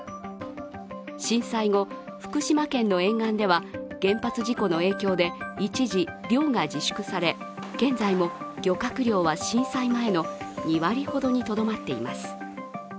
震災後、福島県の沿岸では原発事故の影響で一時、漁が自粛され、現在も漁獲量は震災前の２割ほどにとどまっています。